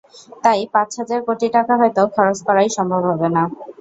তাই পাঁচ হাজার কোটি টাকা হয়তো খরচ করাই সম্ভব হবে না।